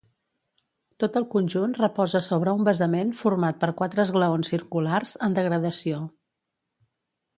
Tot el conjunt reposa sobre un basament format per quatre esglaons circulars, en degradació.